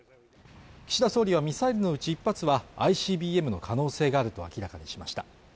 岸田総理はミサイルのうち１発はＩＣＢＭの可能性があると明らかにしました